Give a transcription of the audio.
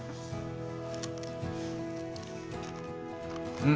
うん！